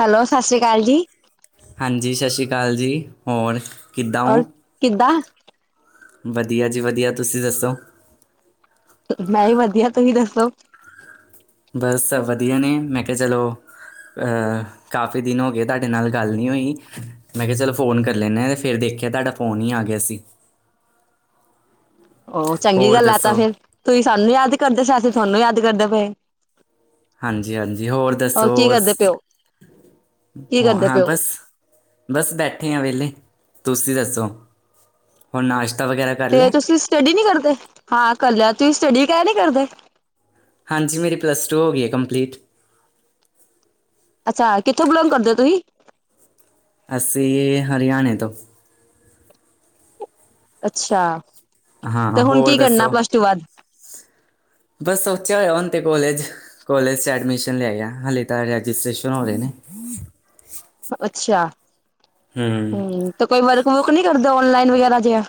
Hello, ਸਤਿ ਸ਼੍ਰੀ ਕਾਲ ਜੀ, ਹਾਂਜੀ, ਸਤਿ ਸ਼੍ਰੀ ਅਕਾਲ ਜੀ, ਹੋਰ ਕਿੱਦਾਂ ਹੋ ਔਰ ਕਿਦਾਂ, ਵਧੀਆ ਜੀ, ਵਧੀਆ ਤੁਸੀਂ ਦੱਸੋ? ਮੈਂ ਵੀ ਵਧੀਆ ਤੁਸੀਂ ਦੱਸੋ? ਬਸ ਵਧੀਆ ਨੇ, ਮੈਂ ਕਿਹਾ ਚਲੋ ਅ ਕਾਫੀ ਦਿਨ ਹੋ ਗਏ, ਤੁਹਾਡੇ ਨਾਲ ਗੱਲ ਨਹੀਂ ਹੋਈ ਮੈਂ ਕਿਹਾ ਚਲੋ ਫ਼ੋਨ ਕਰ ਲੈਂਣਾ ਏ ਤੇ, ਫਿਰ ਦੇਖਿਆ ਤੁਹਾਡਾ ਫ਼ੋਨ ਹੀ ਆ ਗਿਆ ਸੀ। ਉਹ ਚੰਗੀ ਹੋਰ ਗੱਲ ਏ, ਤਾਂ ਦੱਸੋ ਫਿਰ ਤੁਸੀਂ ਸਾਨੂੰ ਯਾਦ ਕਰਦੇ ਸਾਂ ਅਸੀਂ ਤੁਹਾਨੂੰ ਯਾਦ ਕਰਦਾ ਪਏ। ਹਾਂਜੀ-ਹਾਂਜੀ ਹੋਰ ਦੱਸੋ? ਕੀ ਹੋਰ ਕਰਦੇ ਪਏ ਹੋ ਕੀ ਹੋ ਕਰਦੇ ਹਾਂ ਪਏ ਬਸ, ਬਸ ਬੈਠੇ ਆ ਵੇਹਲੇ, ਤੁਸੀਂ ਦੱਸੋ, ਹੁਣ ਨਾਸ਼ ਤੇ ਤੁਸੀਂ ਸਟੱਡੀ ਨੀ ਕਰਦੇ, ਹਾਂ ਕਰ ਲਿਆ ਤੁਸੀਂ ਸਟੱਡੀ। ਕਹਿ ਨੀ ਕਰਦੇ। ਹਾਂਜੀ, ਮੇਰੀ ਪਲੱਸ ਟੂ ਹੋ ਗਈ ਹੈ ਕੰਪਲੀਟ ਅੱਛਾ ਕਿੱਥੋਂ, ਬਿਲੋਂਗ ਕਰਦੇ ਹੋ ਤੁਸੀਂ? ਅਸੀਂ ਹਰਿਆਣੇ ਤੋਂ, ਅੱਛਾ, ਤੇ ਹਾਂ-ਹਾਂ ਹੁਣ ਹੋਰ ਕੀ ਕਰਨਾ ਦੱਸੋ ਪਲੱਸ ਟੂ ਬਾਅਦ ਬਸ ਸੋਚਿਆ ਹੋਇਆ ਹੁਣ, ਤੇ ਕੋਲੇਜ ਕੋਲੇਜ਼ ਚ ਐਡਮਿਸ਼ਨ ਲਿਆ ਆ, ਹਾਲੇ ਤਾਂ ਰਜਿਸਟ੍ਰੇਸ਼ਨ ਹੋ ਰਹੇ ਨੇ। ਅੱਛਾ, ਹੂੰ ਹੁੰ ਤੇ ਕੋਈ ਵਰਕ ਵੁਰਕ ਨੀ ਕਰਦਾ? ਨਲਾਈਨ ਵਗੈਰਾ ਜੀਆ।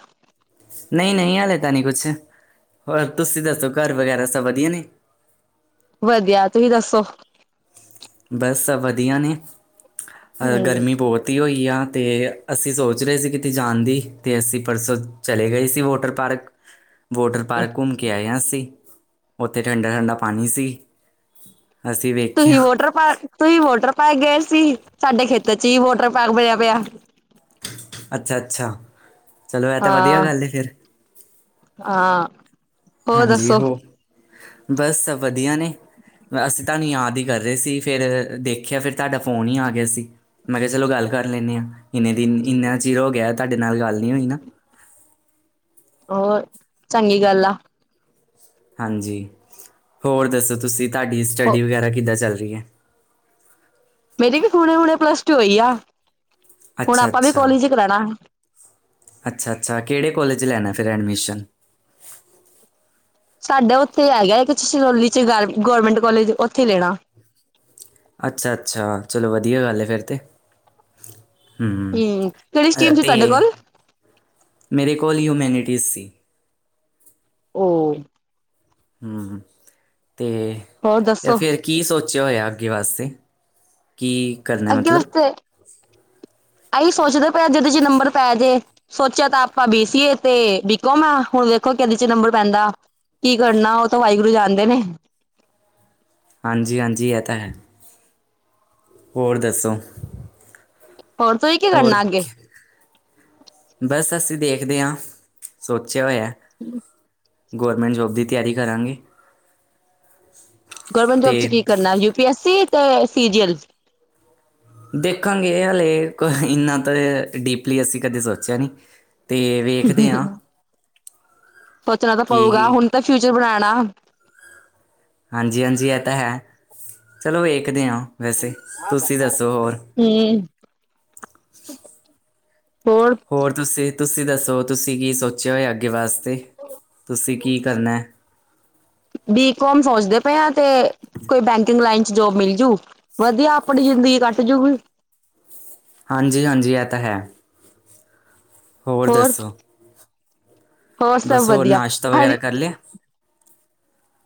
ਨਹੀਂ ਨਹੀਂ ਹਾਲੇ ਤਾਂ ਨਹੀਂ ਕੁਛ ਹੋਰ ਤੁਸੀਂ ਦੱਸੋ ਘਰ ਵਗੈਰਾ ਸਭ ਵਧੀਆ ਨੇ। ਵਧੀਆ ਤੁਸੀਂ ਦੱਸੋ। ਬਸ ਸਭ ਵਧੀਆ ਨੇ। ਅ ਹਮ ਗਰਮੀ ਬਹੁਤ ਹੀ ਹੋਈ। ਯਾ ਤੇ ਅਸੀਂ ਸੋਚ ਰਹੇ ਸੀ, ਕਿਤੇ ਜਾਣ ਦੀ ਅਤੇ ਅਸੀਂ ਪਰਸੋਂ ਚਲੇ ਗਏ ਸੀ। ਵੋਟਰ ਪਾਰਕ ਵੋਟਰ ਪਾਰਕ ਘੁੰਮ ਕੇ ਆਏ ਆਂ, ਅਸੀਂ ਉੱਥੇ ਠੰਡਾ-ਠੰਡਾ ਪਾਣੀ ਸੀ। ਅਸੀਂ ਵੇਖਿਆ। ਤੁਹੀਂ ਵੋਟਰ ਪਾਰਕ ਗਏ ਸੀ। ਸਾਡੇ ਖੇਤਾਂ ਚ ਹੀ ਵੋਟਰ ਪਾਰਕ ਬਣਿਆ ਪਿਆ। ਅੱਛਾ -ਅੱਛਾ ਚਲੋ ਇਹ ਤਾਂ ਵਧੀਆ ਹਾਂ ਗੱਲ ਹੈ ਫਿਰ -ਹਾਂ ਹਾਂਜੀ ਹੋਰ ਬਸ ਵਧੀਆ ਨੇ ਅਸੀਂ ਤੁਹਾਨੂੰ ਯਾਦ ਹੀ ਕਰ ਰਹੇ ਸੀ। ਫੇਰ ਦੇਖਿਆ, ਫਿਰ ਤੁਹਾਡਾ ਫੋਨ ਹੀ ਆ ਗਿਆ ਸੀ। ਮੈਂ ਕਿਹਾ ਚਲੋ ਗੱਲ ਕਰ ਲੈਂਣੇ ਆਂ। ਇੰਨੇ ਦਿਨ ਇੰਨਾ ਚਿਰ ਹੋ ਗਿਆ ਤੁਹਾਡੇ ਨਾਲ ਗੱਲ ਨਹੀਂ ਹੋਈ ਨਾ। ਹੋਰ ਚੰਗੀ ਗੱਲ ਆ। ਹਾਂਜੀ ਹੋਰ ਦੱਸੋ ਤੁਸੀ। ਤਾਡੀ ਸਟੱਡੀ ਵਗੈਰਾ ਕਿੱਦਾਂ ਚੱਲ ਰਹੀ ਹੈ। ਮੇਰੇ ਵੀ ਹੂਣੇ ਹੁਣੇ ਪਲੱਸ ਟੂ ਹੋਈ ਆ। ਹੁਣ ਅੱਛਾ ਆਪਾਂ ਵੀ ਅੱਛਾ ਕੋਲਜ ਕਰਾਉਣਾ ਅੱਛਾ ਅੱਛਾ ਕੇੜੇ ਕੋਲੇਜ ਲੈਣਾ ਏ। ਫਿਰ ਐਡਮਿਸ਼ਨ। ਸਾਡਾ ਓਥੇ ਹੈਗਾ ਇੱਕ ਛਛਰੋਲੀ ਚ ਗ ਗੌਰਮੈਂਟ ਕੋਲੇਜ ਓਥੇ ਲੈਣਾ। ਅੱਛਾ ਅੱਛਾ ਚਲੋ ਵਧੀਆ ਗੱਲ ਹੈ ਫੇਰ ਤੇ। ਹੂੰ ਕਿਹੜੀ ਅ, ਸਟੀਮ ਸੀ ਤੁਹਾਡੇ ਤੇ ਕੋਲ। ਮੇਰੇ ਕੋਲ ਹਿਊਮੈਨਿਟੀਜ਼ ਸੀ। ਓ ਹੂਂ। ਹੋਰ ਤੇ ਦੱਸੋ ਫੈਰ ਕੀ ਸੋਚਿਆ ਹੋਇਆ। ਅੱਗੇ ਵਾਸਤੇ ਕੀ ਕਰਨਾ ਐ ਮਤਲਬ। ਏਈ ਸੋਚਦੇ ਪਏ ਜਿਹਦੇ ਚ ਨੰਬਰ ਪੈ ਜੇ ਸੋਚਿਆ ਤਾਂ ਆਪਾਂ ਬੀਸੀ ਏ ਤੇ ਬੀਕੋਮ ਆ ਹੁਣ ਵੇਖੋ ਕਿਦੇ ਚ ਨੰਬਰ ਪੈਂਦਾ। ਕੀ ਕਰਨਾ ਉਹ ਤਾਂ ਵਾਹਿਗੁਰੂ ਜਾਣਦੇ ਨੇ। ਹਾਂਜੀ ਹਾਂਜੀ ਏਹ ਤਾਂ ਹੈ। ਹੋਰ ਦੱਸੋ। ਹੋਰ ਤੁੂਹੀ ਕੀ ਹੋਰ ਕਰਨਾ ਅੱਗੇ। ਕੀ- ਬਸ ਅਸੀਂ ਦੇਖਦੇ ਹਾਂ ਸੋਚ [unintelligible] ਗੌਰਮੈਂਟ ਜੋਬ ਦੀ ਤਿਆਰੀ ਕਰਾਂਗੇ। ਗਵਰਮੈਂਟ ਤੇ ਜੋਬ ਚ ਕੀ ਕਰਨਾ? U P S C? ਤੇ ਸੀਰੀਅਲ ਦੇਖਾਂਗੇ। ਹਾਲੇ ਕ ਏਨਾ ਤਾਂ ਡੀਪਲੀ ਅਸੀ ਕਦੇ ਸੋਚਿਆ ਨੀ। ਤੇ ਵੇਖਦੇ ਹਾਂ ਸੋਚਣਾ ਤਾਂ ਕੀ ਪਊਗਾ। ਹੁਣ ਤਾਂ ਫਿਊਚਰ ਬਣਾ ਨਾ ਹਂਜੀ-ਹਂਜੀ। ਐ ਤਾਂ ਹੈ। ਚਲੋ, ਵੇਖਦੇ ਹਾਂ। ਵੈਸੇ ਤੁਸੀਂ ਦੱਸੋ ਹੋਰ [inaudible] [inaudible] ਹੋਰ ਤੁਸੀ ਤੁਸੀ ਦੱਸੋ। ਤੁਸੀ ਕੀ ਸੋਚਿਆ ਹੋਇਐ ਅੱਗੇ ਵਾਸ ਤੇ, ਤੁਸੀ ਕੀ ਕਰਨੈ? ਬੀਕੋਮ ਸੋਚਦੇ ਪਏ ਆ। ਤੇ ਕੋਈ ਬੈਂਕਿੰਗ ਲਾਈਨ ਚ ਜੋਬ ਮਿਲ ਜੂ, ਵਧੀਆ। ਅਪਣੀ ਜਿੰਦਗੀ ਕੱਟ ਜੂਗੀ। ਹਾਂਜੀ -ਹਾਂਜੀ, ਇਹ ਤਾਂ ਹੈ। ਹੋਰ ਦੱਸੋ? ਹੋਰ ਸਭ ਬਸ ਵਧੀਆ ਨਾਸ਼ਤਾ ਵਗੈਰਾ ਕਰ ਲਿਆ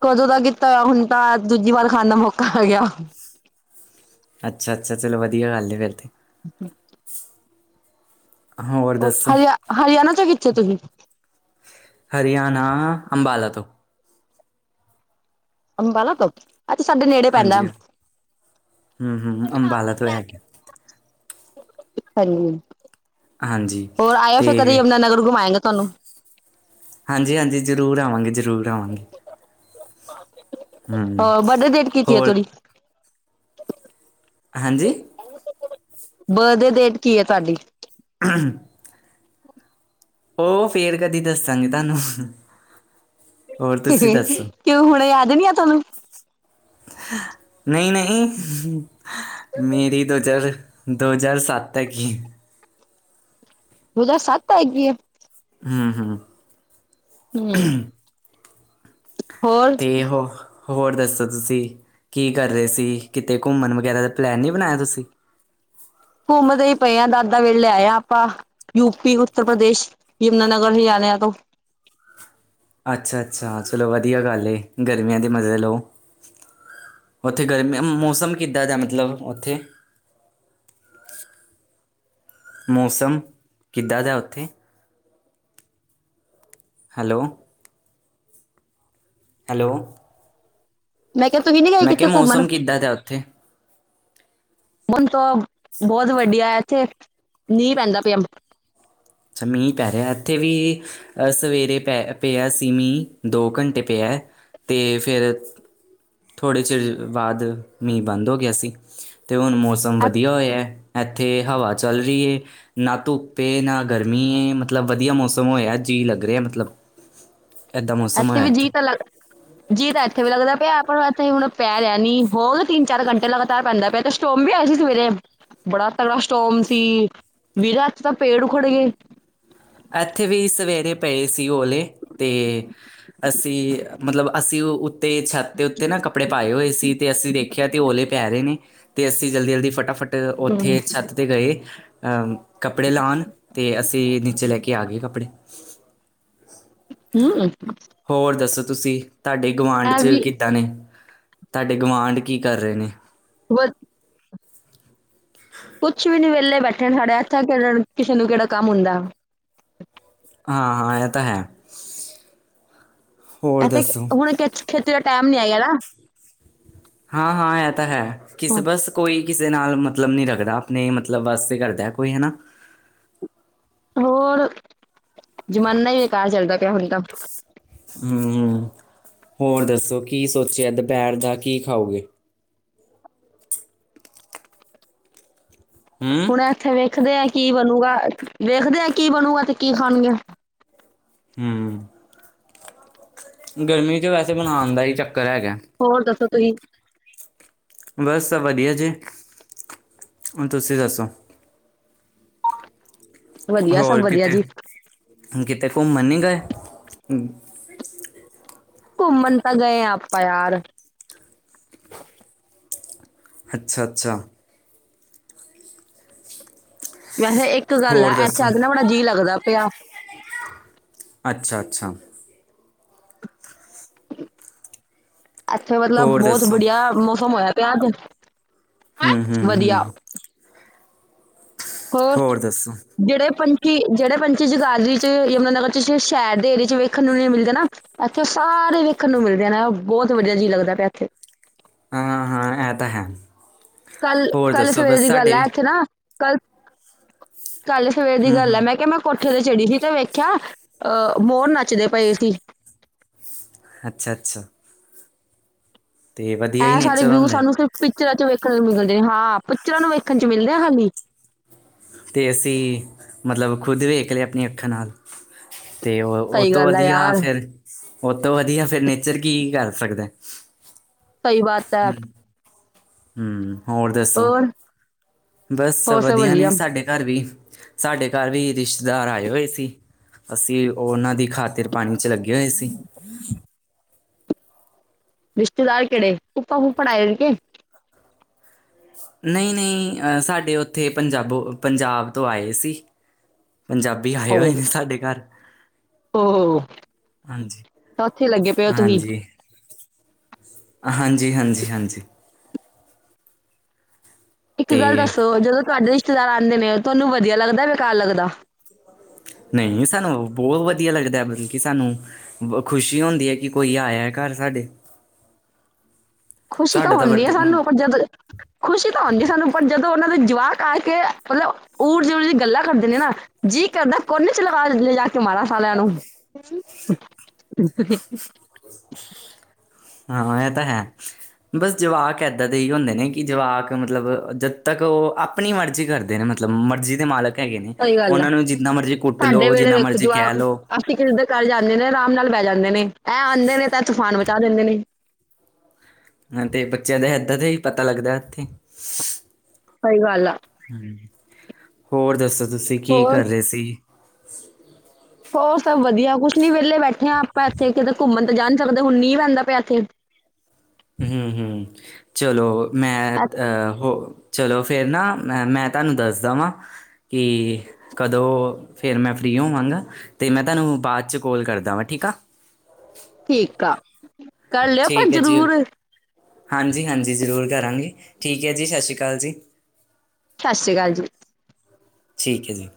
ਕਦੋਂ ਦਾ ਕੀਤਾ ਓਆ। ਹੁਣ ਤਾਂ ਦੂਜੀ ਵਾਰ ਖਾਣ ਦਾ ਮੌਕਾ ਹੈ ਆਗਿਆ। ਅੱਛਾ-ਅੱਛਾ ਚਲੋ ਵਧੀਆ ਗੱਲ‌ਐ ਫੇਰ ਤੇ [inaudible] ਹੋਰ ਉਹ ਦੱਸੋ? ਹਰਿਆ-ਹਰਿਆਣਾ ਚੋਂ ਕਿੱਥੇ ਤੁਹੀ। ਹਰਿਆਣਾ, ਅੰਬਾਲਾ ਤੋਂ। ਅੰਬਾਲਾ ਤੋਂ? ਐ ਤਾ ਸਾਡੇ ਨੇੜੇ ਪੈਂਦਾ। [inaudible] [inaudible] ਹਾਂਜੀ ਹੂੰ-ਹੂੰ ਅੰਬਾਲਾ ਤੋਂ ਹੈਗੇ। ਹਾਂਜੀ ਹੋਰ ਆਇਓ, ਤੇ ਫਿਰ ਕਦੇ ਯਮੁਨਾਾਨਗਰ ਘੁਮਾਇਗਾਂ। ਤਾਣੁ ਹਾਂਜੀ, ਹਾਂਜੀ, ਜ਼ਰੂਰ ਆਵਾਂਗੇ ਜ਼ਰੂਰ। [unintelligible] ਹੂੰ। [unintelligible] [unintelligible] ਹਂਜੀ? ਬਦੇ ਡੇਟ ਕੀ ਹੈ, ਤੁਹਾਡੀ? [inaudible] ਉਹ ਫੇਰ ਕਦੀ ਦੱਸਾਂਗੇ ਤੁਹਾਨੂੰ। ਹੋਰ ਤੁਸੀਂ ਦੱਸੋ? [unintelligible] ਕਿਉਂ ਹੁਣ ਯਾਦ ਨੀ ਆ ਤੁਹਾਨੂੰ। ਨਹੀਂ ਨਹੀਂ। [unintelligible] ਦੋ ਹਜ਼ਾਰ ਸੱਤ ਤੱਕ ਈ । ਦੋ ਹਜ਼ਾਰ ਸੱਤ ਹੈਗੀ ਏ ਹੂ ਹੂ [unintelligible] ਹੋਰ [unintelligible] ਹੋਰ ਦੱਸੋ ਤੁਸੀਂ ਕੀ ਕਰ ਰਹੇ ਸੀ ਕਿਤੇ ਘੁੰਮਣ ਵਗੈਰਾ ਦਾ ਪਲੈਨ ਨਹੀਂ ਬਣਾਇਆ ਤੁਸੀਂ। ਘੁੰਮਦੇ ਹੀ ਪਏ ਆਂ [unintelligible] ਆਪਾਂ ਯੂਪੀ ਉੱਤਰ ਪ੍ਰਦੇਸ਼ ਯਮੁਨਾਨਗਰ ਹਰਿਆਣਿਆਂ ਤੋਂ। ਅੱਛਾ ਅੱਛਾ ਚਲੋ ਵਧੀਆ ਗੱਲ ਏ ਗਰਮੀਆਂ ਦੇ ਮਜ਼ੇ ਲੋ ਉੱਥੇ ਗਰਮੀ ਮੌਸਮ ਕਿੱਦਾਂ ਦਾ ਮਤਲਬ ਉੱਥੇ ਮੌਸਮ ਕਿੱਦਾਂ ਦਾ ਉੱਥੇ। ਹੈਲੋ। ਹੈਲੋ। ਮੈਂ ਕਿਹਾ ਤੁਸੀਂ ਨੀ ਗਏ ਮੈਂ ਕਿੱਥੇ ਕਿਹਾ ਘੁੰਮਣ। ਮੌਸਮ ਕਿੱਦਾਂ ਦਾ ਉੱਥੇ ਹੁਣ ਤਾਂ ਬਹੁਤ ਵਧੀਆ ਐਥੇ ਮੀਂਹ ਪੈਂਦਾ ਪਿਆ ਅੱਛਾ ਮੀਂਹ ਪੈ ਰਿਹਾ ਇੱਥੇ ਵੀ ਸਵੇਰੇ ਪੈ ਪਿਆ ਸੀ ਮੀਂਹ ਦੋ ਘੰਟੇ ਪਿਆ ਤੇ ਫਿਰ ਥੋੜ੍ਹੇ ਚਿਰ ਬਾਅਦ ਮੀਂਹ ਬੰਦ ਹੋ ਗਿਆ ਸੀ। ਤੇ ਹੁਣ ਮੌਸਮ ਵਧੀਆ ਹੋਇਆ। ਐਥੇ ਹਵਾ ਚੱਲ ਰਹੀ ਏ ।ਨਾ ਧੁੱਪ ਏ, ਨਾ ਗਰਮੀ, ਮਤਲਬ ਵਧੀਆ ਮੌਸਮ ਹੋਇਆ। ਜੀਅ ਲੱਗ ਰਿਹਾ, ਮਤਲਬ। ਏਦਾਂ ਮੌਸਮ ਐਥੇ ਹੋਇਆ ਵੀ ਜੀ ਇੱਥੇ ਤਾਂ ਲੱਗ, [unintelligible] ਇੱਥੇ ਵੀ ਲੱਗਦਾ ਪਿਆ ਪਰ ਇੱਥੇ ਹੁਣ ਪੈ ਰਿਹਾ ਮੀਂਹ। ਹੋ ਗਏ ਤਿੰਨ-ਚਾਰ ਘੰਟੇ ਲਗਾਤਾਰ ਪੈਂਦਾ ਪਿਆ ਤੇ ਸਟ੍ਰੋਮ ਵੀ ਆਏ ਸੀ ਸਵੇਰੇ। ਬੜਾ ਤਗੜਾ ਸਟ੍ਰੋਮ ਸੀ। ਵੀਰਾ ਇੱਥੇ ਤਾਂ ਪੇੜ ਉਖੜ ਗਏ। ਐਥੇ ਵੀ ਸਵੇਰੇ ਪਏ ਸੀ। [unintelligible] ਓਲੇ ਤੇ ਅਸੀਂ, ਮਤਲਬ ਅਸੀਂ ਤੇ ਛੱਤ ਦੇ ਉੱਤੇ ਨਾ ਕੱਪੜੇ ਪਾਏ ਹੋਏ ਸੀ ਤੇ ਅਸੀਂ ਵੇਖਯਾ ਕੇ ਓਲੇ ਪੈ ਰਹੇ ਨੇ। ਤੇ ਅਸੀਂ ਜਲਦੀ-ਜਲਦੀ ਫਟਾਫਟ [unintelligible] ਹਮ ਉੱਥੇ ਛੱਤ ਤੇ ਗਏ। ਅ ਕੱਪੜੇ ਲਾਣ ਤੇ ਅਸੀਂ ਨੀਚੇ ਲੈ ਕੇ ਆ ਗਏ ਕੱਪੜੇ। [unintelligible] ਹੋਰ ਦੱਸੋ ਤੁਸੀਂ? ਤੁਹਾਡੇ ਗੁਆਂਢ 'ਚ ਵੀ ਕਿਦਾ ਨੇ ਤੁਹਾਡੇ ਗਵਾਂਡ ਕੀ ਕਰ ਰਹੇ ਨੇ? [unintelligible] ਕੁੱਛ ਵੀ ਨੀ ਵੇ ਵੇਲੇ ਬੈਠੇ ਸਾਡੇ ਇੱਥੇ [unintelligible] ਕੇੜਾ ਕਿਸੇ ਨੂੰ ਕੇਹੜਾ ਕੰਮ ਹੁੰਦਾ ਹਾਂਅ, ਇਹ ਤਾਂ ਹੈ। ਹੋਰ ਇੱਥੇ ਦੱਸੋ ਹੁਣ ਖ-ਖੇਤੀ ਦਾ ਟਾਈਮ ਨੀ ਆਏਗਾ ਨਾ। ਹਾਂ-ਹਾਂ, ਇਹ ਤਾਂ ਹੈ। ਕਿਸਬਸ ਕੋਈ ਕਿਸੇ ਨਾਲ ਮਤਲਬ ਨੀ ਰੱਖਦਾ। ਆਪਣੇ ਮਤਲਬ ਵਾਸਤੇ ਕਰਦਾ ਕੋਈ, ਹਨਾ। ਹੋਰ, ਜ਼ਮਾਨਾ ਹੀ ਬੇਕਾਰ ਚੱਲਦਾ ਪਿਆ ਹੁਣ ਤਾ। ਹਮ, ਹੋਰ ਦੱਸੋ? ਕੀ ਸੋਚਿਆ ਦੁਪਹਿਰ ਦਾ ਕੀ ਖਾਓਗੇ? ਹੂੰ ਹੁਣ ਇੱਥੇ ਵੇਖਦੇ ਆ। ਕੀ ਬਣੂਗਾ? ਦੇੇਖਦੇ ਆ ਕੀ ਬਣੂਗਾ ਤੇ ਕੀ ਖਾਣਗੇ? ਹੂੰ ਗਰਮੀ 'ਚ ਵੈਸੇ ਬਣਾਣ ਦਾ ਹੀ ਚੱਕ ਕਰਿਆ ਗਿਆ। ਤੁਹੀ ਬਸ ਵਧੀਆ ਜੀ, ਹੁਣ ਤੁਸੀਂ ਦੱਸੋ? ਵਧੀਆ, ਸਭ ਹੋਰ ਵਧੀਆ ਕਿਤੇ ਜੀ। ਕਿਤੇ ਘੁੰਮਣ ਨੀ ਗਏ? ਘੁੰਮਣ ਤਾਂ ਗਏ ਆ ਆਪਾਂ ਯਾਰ। ਅੱਛਾ-ਅੱਛਾ। ਵੈਸੇ ਇੱਕ ਗੱਲ ਆ, ਹੋਰ ਇੱਥੇ ਦੱਸੋ ਆਜ ਨਾ ਬੜਾ ਜੀਅ ਲੱਗਦਾ ਪਿਆ। ਅੱਛਾ- ਅੱਛਾ। ਐਥੇ ਮਤਲਬ ਹੋਰ ਬੋਤ ਦੱਸੋ ਬਡੀਆ ਮੌਸਮ ਹੋਇਆ। ਕਿਆ ਦੂ? ਹਮ, ਹਮ, ਹਮ। ਹੋਰ ਜਿਹੜੇ ਪੰਜ ਕੀ ਜੇੜੇ ਪੰਛੀ ਜਗਾਦਰੀ ਚ ਯਮੁਨਾ ਨਗਰ 'ਚ ਸ਼ਹਿਰ ਦੇ ਏਰੀਏ 'ਚ ਵੇਖਣ ਨੂੰ ਨਹੀਂ ਮਿਲਦੇ ਨਾ, ਇੱਥੇ ਸਾਰੇ ਵੇਖਣ ਨੂੰ ਮਿਲਦੇ ਨੇ, ਬਹੁਤ ਵਧੀਆ ਜੀ ਲੱਗਦਾ ਪਿਆ ਇੱਥੇ। ਹਾਂ, ਹਾਂ, ਐ ਤਾਂ ਹੈ। ਕੱਲ, ਹੋਰ ਕੱਲ ਦੱਸੋ ਸਵੇਰੇ ਬਸ ਦੀ ਗੱਲ ਹੈ ਸਾਡੇ ਐਥੇ ਨਾ ਕੱਲ ਕੱਲ ਸਵੇਰ ਦੀ ਗੱਲ ਹੂੰ-ਹੂੰ, ਮੈਂ ਕਿਹਾ ਮੈਂ ਕੋਠ ਠੇ ਤੇ ਚੜੀ ਦੀ ਤੇ ਵੇਖਿਆ, ਅਹ ਮੋਰ ਨੱਚਦੇ ਪਏ ਸੀ। ਅੱਛਾ -ਅੱਛਾ। ਐ ਸਾਰੇ ਨੇਚਰ ਵਿਯੂ ਹੁੰਦਾ ਐ। ਸਾਨੂੰ ਸਿਰਫ ਪੀ ਚਰਾਂ 'ਚ ਵੇਖਣ ਨੂ ਮਿਲਦੇ ਹਾਂ, ਪੀਚਰਾਂ ਨੂੰ ਵੇਖਣ 'ਚ ਮਿਲਦੇ ਆ ਖਾਲੀ । ਤੇ ਅਸੀਂ ਮਤਲਬ ਖੁਦ ਵੇਖ ਲਿਆ ਅਪਣੀਆਂ ਅੱਖਾਂ ਨਾਲ। ਤੇ ਉਹ ਓਹ ਸਹੀ ਤੋਂ ਗੱਲ ਹੈ ਵਧੀਆ ਯਾਰ ਫੇਰ ਉਹਤੋਂ ਵਧੀਆ ਫਿਰ ਨੇਚਰ ਕੀ ਕਰ ਸਕਦਾ? ਸਹੀ ਬਾਤ ਐ। ਹਮ। ਹੋਰ ਦੱਸੋ? ਬਸ ਹੋਰ ਸਭ ਵਧੀਆ ਨੇ ਸਾਡੇ ਘਰ ਵੀ, ਸਾਡੇ ਘਰ ਵੀ ਰਿਸ਼- ਤੇਦਾਰ ਆਏ ਹੋਏ ਸੀ, ਅਸੀਂ ਉਹਨਾਂ ਦੀ ਖਾਤਿਰ ਪਾਣੀ ਚ ਲੱਗੇ- ਲੱਗੇ ਹੋਏ ਸੀ। ਰਿਸ਼ਤੇਦਾਰ ਕਿਹੜੇ ਫੁਪਾ ਫੁਫੜ ਆਏ ਹੋਨ ਕੇ? ਨਹੀਂ- ਨਹੀਂ ਅ ਸਾਡੇ ਉੱਥੇ ਪੰਜਾਬੋ ਪੰਜਾਬ ਤੋਂ ਆਏ ਸੀ। ਪੰਜਾਬੀ ਆਏ ਹੋਏ ਨੇ ਸਾਡੇ ਘਰ। ਔ ਹਾਂਜੀ-ਹਾਂਜੀ, ਉੱਥੇ ਲੱਗੇ ਪਏ ਔ ਤੁਹੀ। ਹਾਂਜੀ-ਹਾਂਜੀ, ਹਾਂਜੀ, ਹਾਂਜੀ- ਹਾਂਜੀ। ਇੱਕ ਗੱਲ ਤੇ ਦੱਸੋ ਜਦੋਂ ਤੁਹਾਡੇ- ਰਿਸ਼ਤੇਦਾਰ ਆਉਂਦੇ ਨੇ ਤੁਹਾਨੂੰ ਵਧੀਆ ਲੱਗਦਾ ਬੇਕਾਰ ਲੱਗਦਾ? ਨਹੀਂ ਸਾਨੂੰ ਬਹੁਤ ਵਧੀਆ ਲੱਗਦਾ, ਮਤਲਬ ਕੀ ਸਾਨੂੰ ਖੁਸ਼ੀ ਹੁੰਦੀ ਹੈ, ਕੀ ਕੋਈ ਆਇਆ ਘਰ ਸਾਡੇ। ਖੁਸ਼ੀ ਤਾਂ ਸਾਡਾ ਹੁੰਦੀ ਵਰਤ ਹੈ ਸਾਨੂੰ ਪਰ ਜਦ ਖੁਸ਼ੀ ਤਾਂ ਹੁੰਦੀ ਹੈ ਸਾਨੂੰ ਪਰ ਜਦੋਂ ਉਹਨਾਂ ਦੇ ਜਵਾਕ ਕਰਕੇ ਮਤਲਬ ਊਰ ਜਿਵੇਂਦੀ ਦੀਆਂ ਗੱਲਾਂ ਕਰਦੇ ਨੇ ਨਾ, ਜੀ ਕਰਦਾ ਕੋਨੇ ਚ ਲਗਾ ਲੇਜਾ ਕੇ ਮਾਰਾ ਸਾਰਆ ਨੂੰ। ਹਾਂ ਇਹ ਤਾਂ ਹੈ। ਬਸ ਜਵਾਕ ਏਦਾਂ ਦੇ ਹੀ ਹੁੰਦੇ ਨੇ, ਕੀ ਜਵਾਕ ਮਤਲਬ ਜਦ ਤੱਕ ਉਹ ਆਪਣੀ ਮਰਜ਼ੀ ਕਰਦੇ ਨੇ ਮਤਲਬ ਮਰਜ਼ੀ ਦੇ ਮਾਲਕ। ਹੈਗੇ ਨੇ ਸਹੀ ਗੱਲ ਆ, ਉਹਨਾਂ ਨੂੰ ਜਿੰਨਾ ਮਰਜ਼ੀ ਕੁੱਟ ਸਾਡੇ ਲਓ ਵੇਲੇ ਜਿੰਨਾ ਵੇਖੋ ਮਰਜ਼ੀ ਕਹਿ ਜਵਾਕ ਲਓ ਅਸੀਂ ਕਿਸੇ ਦੇ ਘਰ ਜਾਂਦੇ ਨੇ ਆਰਾਮ ਨਾਲ ਬੈ ਜਾਂਦੇ ਨੇ, ਐ ਆਂਦੇ ਨੇ ਤਾਂ ਤੂਫਾਨ ਮ ਤਾ ਦਿੰਦੇ ਨੇ। ਹਾਂ, ਤੇ ਬੱਚਿਆਂ ਦਾ ਏਦਾਂ ਦਾ ਈ ਪਤਾ ਲੱਗਦਾ ਐਥੇ। ਸਈ ਗਾੱਲ ਆ। ਹੋਰ ਦੱਸੋ? ਤੁਸੀਂ, ਕੀ ਹੋਰ ਕਰ ਰੇ ਸੀ? [inaudible] ਹੋਰ ਸਭ ਵਧੀਆ, ਕੁਛ ਨੀ ਵੇਲੇ ਬੈਠੇ ਹਾਂ ਆਪਾਂ ਐਥੇ ਕਿਤੇ ਘੁੰਮਣ ਤਾਂ ਜਾ ਨੀ ਸਕਦੇ ਹੁਣ ਮੀਂ ਪੈਂਦਾ ਪਿਆ ਐਥੇ। ਹੂੰ- ਹੂੰ ਚਲੋ। ਮੈਂ ਅ- ਤਅ ਹੋ- ਚਲੋ ਫੇਰ ਨਾ ਮੈਂ, ਮੈਂ ਤਾਨੂੰ ਦੱਸਦਾ ਵਾਂ ਕਿ ਕਦੋਂ ਫੇਰ ਮੈਂ ਫਰੀ ਹੋਵਾਂਗਾ, ਤੇ ਮੈਂ ਤਾਨੂੰ ਬਾਦ ਚ ਕੋਲ ਕਰਦਾ ਵਾਂ ਠੀਕ ਆ। ਠੀਕ ਆ। ਕਰ ਲਿਓ ਪਰ ਜ਼ਰੂਰ। ਹਾਂਜੀ- ਹਾਂਜੀ ਜ਼ਰੂਰ ਕਰਾਂਗੇ, ਠੀਕ ਹੈ ਜੀ ਸਤ ਸ਼੍ਰੀ ਅਕਾਲ ਜੀ। ਸਤ ਸ਼੍ਰੀ ਅਕਾਲ ਜੀ। ਠੀਕ, ਹੈ ਜੀ।